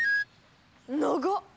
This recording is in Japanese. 長っ！